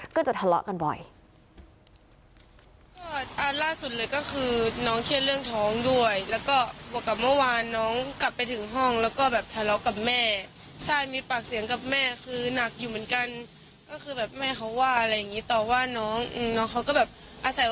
ก็จะทะเลาะกันบ่อย